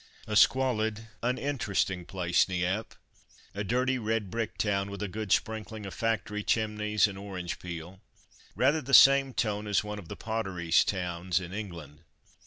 A squalid, uninteresting place, Nieppe; a dirty red brick town with a good sprinkling of factory chimneys and orange peel; rather the same tone as one of the Potteries towns in England.